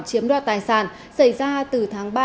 chiếm đoạt tài sản xảy ra từ tháng ba